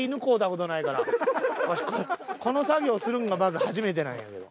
この作業するんがまず初めてなんやけど。